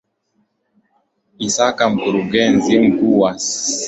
isaka mkurugenzi mkuu wa ssra